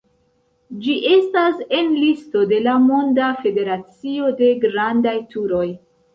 Ĝi estas en listo de la Monda Federacio de Grandaj Turoj.